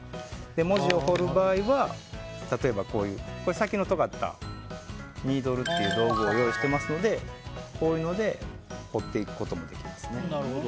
文字を彫る場合は先のとがったニードルという道具を用意していますのでこういうので彫っていくこともできますね。